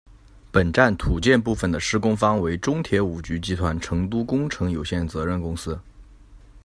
本站土建部分的施工方为中铁五局集团成都工程有限责任公司。